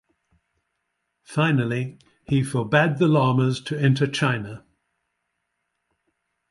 Finally, he forbade the Lamas to enter China.